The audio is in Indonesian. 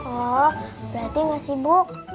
oh berarti enggak sibuk